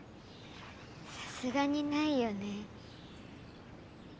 さすがにないよね。